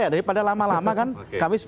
dari pada lama lama kan kami